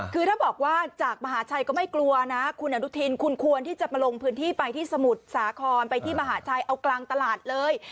คือถ้าบอกว่าจากมหาชัยก็ไม่กลัวนะคุณอนุทินคุณควรที่จะมาลงพื้นที่ไปที่สมุทรสาครไปที่มหาชัยเอากลางตลาดเลย